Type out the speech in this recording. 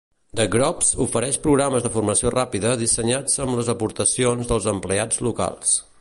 The Groves ofereix programes de formació ràpida dissenyats amb les aportacions dels empleats locals.